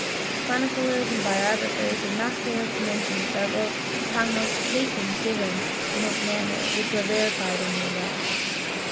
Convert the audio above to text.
Chroniclers and biographers have not failed to mention several prognostications given in this manner which were verified in the event.